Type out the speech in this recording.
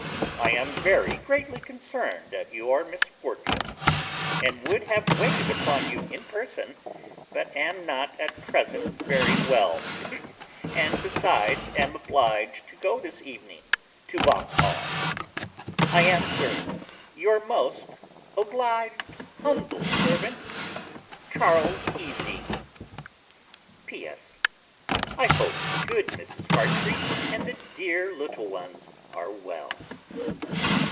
I am very greatly concerned at your misfortunes, and would have waited upon you in person, but am not at present very well, and besides, am obliged to go this evening to Vauxhall. I am, sir, your most obliged humble servant, CHA. EASY. P.S. I hope good Mrs. Heartfree and the dear little ones are well.